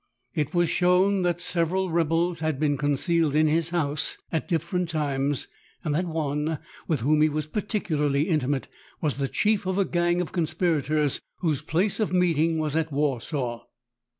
It was shown that several rebels had been concealed in his house at different times, and that one, with whom he was particularly intimate, was the chief of a gang of conspirators whose place of meeting was at W ar saw.